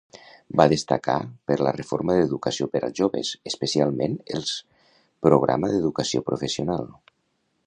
Va destacar per la reforma d'educació per als joves, especialment els programa d'educació professional.